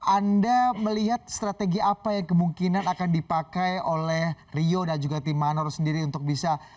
anda melihat strategi apa yang kemungkinan akan dipakai oleh rio dan juga tim manor sendiri untuk bisa